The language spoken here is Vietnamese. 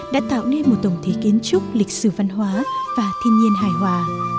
đã tạo nên một tổng thể kiến trúc lịch sử văn hóa và thiên nhiên hài hòa